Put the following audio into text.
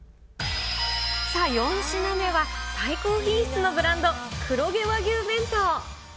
さあ、４品目は、最高品質のブランド、黒毛和牛弁当。